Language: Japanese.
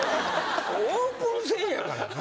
オープン戦やがな。